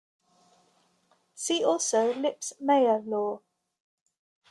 See also: Lipps-Meyer law.